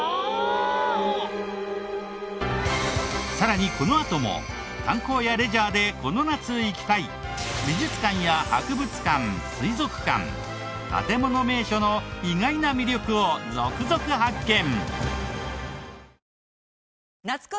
さらにこのあとも観光やレジャーでこの夏行きたい美術館や博物館水族館建もの名所の意外な魅力を続々発見！